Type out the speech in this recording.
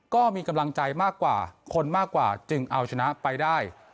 ก็มีกำลังใจมากกว่าคนมากกว่าจึงเอาชนะไปได้